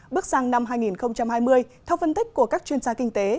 bước sang năm hai nghìn hai mươi theo phân tích của các chuyên gia kinh tế